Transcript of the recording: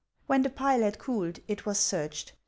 When the pile had cooled, it was searched.